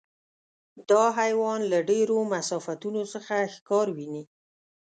دا حیوان له ډېرو مسافتونو څخه ښکار ویني.